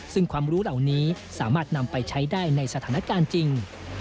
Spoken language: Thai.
ซึ่งความรู้เหล่านี้สามารถนำไปใช้ได้ในสถานการณ์จริง